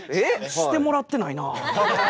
してもらってないなあ。